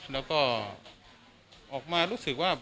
แล้วก็ออกมารู้สึกว่า